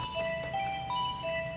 terbunuh tak ny crib